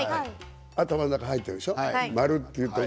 頭の中に入っているでしょう？